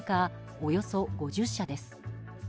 およそ５０社です。